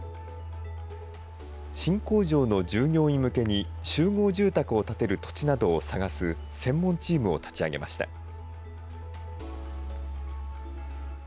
新工場の従業員向けに、集合住宅を建てる土地などを探す専門チームを立ち上げました。